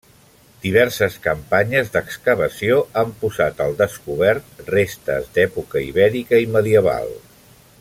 Diverses campanyes d'excavació han posat al descobert restes d'època ibèrica i medieval.